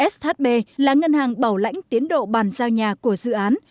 shb là ngân hàng bảo lãnh tiến độ bàn giao nhà của dự án